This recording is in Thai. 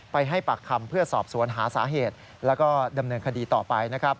ให้ปากคำเพื่อสอบสวนหาสาเหตุแล้วก็ดำเนินคดีต่อไปนะครับ